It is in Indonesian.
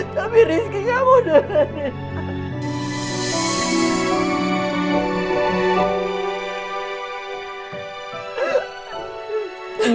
tapi rizky gak mau dengerin